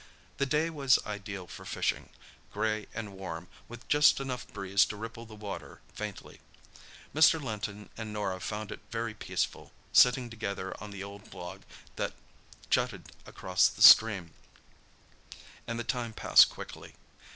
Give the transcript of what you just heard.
The day was ideal for fishing—grey and warm, with just enough breeze to ripple the water faintly. Mr. Linton and Norah found it very peaceful, sitting together on the old log that jutted across the stream, and the time passed quickly.